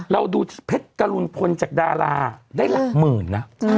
เราดูที่เพชรกรุณพลจากดาราได้หลักหมื่นนะ